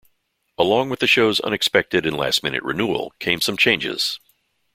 Along with the show's unexpected and last-minute renewal came some changes.